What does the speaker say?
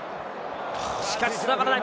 しかし繋がらない。